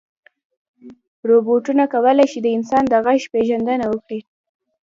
روبوټونه کولی شي د انسان د غږ پېژندنه وکړي.